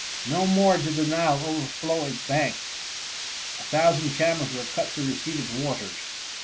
No more did the Nile overflow its banks: a thousand channels were cut to receive its waters.